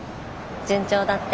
順調だって。